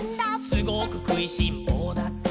「すごくくいしんぼうだって」